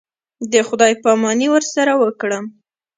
د خداى پاماني ورسره وكړم.